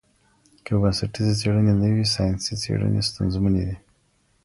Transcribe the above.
که بنسټیزي څېړني نه وي ساینسي څېړني ستونزمنې دي.